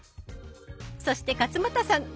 そして勝俣さん。